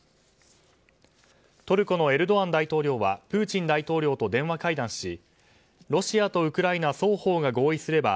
トルコのエルドアン大統領はプーチン大統領と電話会談しロシアとウクライナ双方が合意すれば